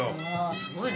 すごいね。